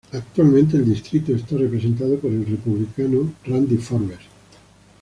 Actualmente el distrito está representado por el Republicano Randy Forbes.